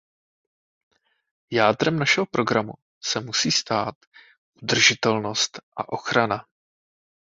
Jádrem našeho programu se musí stát udržitelnost a ochrana.